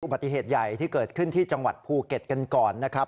ปฏิเหตุใหญ่ที่เกิดขึ้นที่จังหวัดภูเก็ตกันก่อนนะครับ